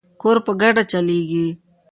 کور په ګډه چلیږي.